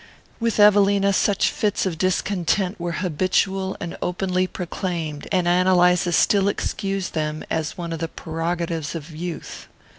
With Evelina such fits of discontent were habitual and openly proclaimed, and Ann Eliza still excused them as one of the prerogatives of youth.